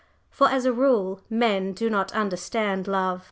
For, as a rule, men do not understand love.